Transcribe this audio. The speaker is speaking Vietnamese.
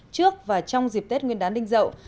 trước và trong dịp tết nguyên đán đinh dậu